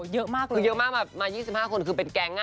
เยอะมากมา๒๕คนคือเป็นแก๊ง